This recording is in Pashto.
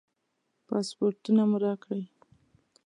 پاسپورټونه مو راکړئ.